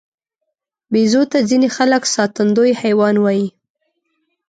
بیزو ته ځینې خلک ساتندوی حیوان وایي.